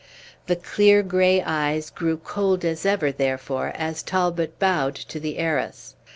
The clear gray eyes grew cold as ever, therefore, as Talbot bowed to the heiress.